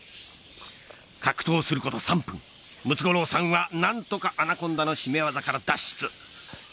格闘すること３分ムツゴロウさんは何とかアナコンダの絞め技から脱出。